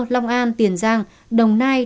long an tiền giang đồng nai